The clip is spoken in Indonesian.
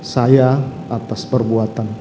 saya atas perbuatan